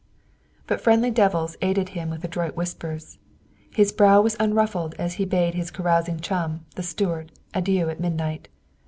But friendly devils aided him with adroit whispers. His brow was unruffled as he bade his carousing chum, the steward, adieu at midnight.